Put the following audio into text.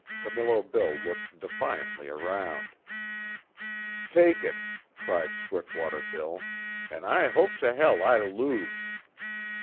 Camillo Bill looked defiantly around. "Take it!" cried Swiftwater Bill, "An' I hope to hell I lose!"